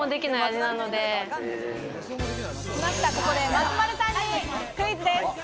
松丸さんにクイズです。